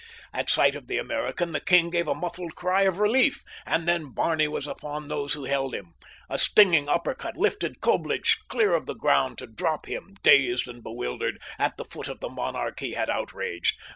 At sight of the American the king gave a muffled cry of relief, and then Barney was upon those who held him. A stinging uppercut lifted Coblich clear of the ground to drop him, dazed and bewildered, at the foot of the monarch he had outraged.